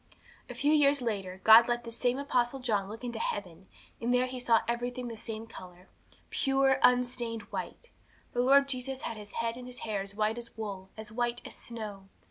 'A few years later, God let this same Apostle John look into heaven; and there he saw everything the same colour pure, unstained white. The Lord Jesus had His head and His hair as white as wool, as white as snow.